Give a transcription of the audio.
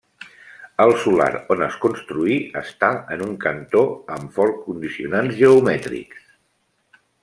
El solar on es construí està en un cantó amb fort condicionants geomètrics.